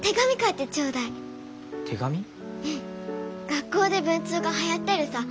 学校で文通がはやってるさ。